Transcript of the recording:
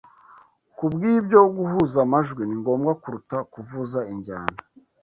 kubwibyo guhuza amajwi ni ngombwa kuruta kuvuza injyana